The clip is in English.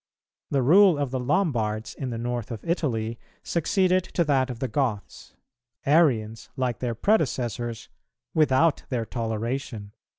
[278:1] The rule of the Lombards in the north of Italy succeeded to that of the Goths, Arians, like their predecessors, without their toleration.